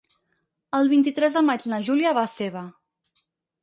El vint-i-tres de maig na Júlia va a Seva.